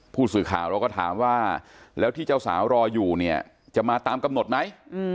ผู้สื่อข่าวเราก็ถามว่าแล้วที่เจ้าสาวรออยู่เนี่ยจะมาตามกำหนดไหม